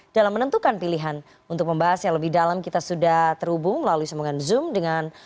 dalam menentukan pilihan untuk membahas yang lebih dalam kita sudah terhubung melalui sambungan zoom dengan